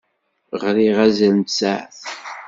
Ɣriɣ azal n tsaɛet.